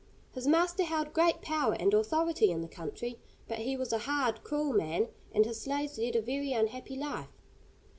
His master held great power and authority in the country, but he was a hard, cruel man, and his slaves led a very unhappy life.